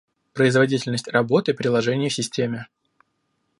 Производительность работы приложений в системе